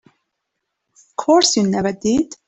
Of course you never did.